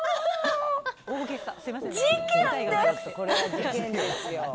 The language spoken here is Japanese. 事件です。